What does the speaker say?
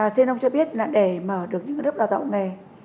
xê nông cho biết là để mở được những lớp đào tạo nghề